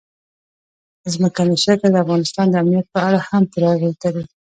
ځمکنی شکل د افغانستان د امنیت په اړه هم پوره اغېز لري.